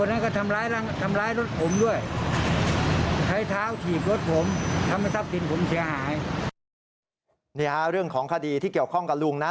นี่ฮะเรื่องของคดีที่เกี่ยวข้องกับลุงนะ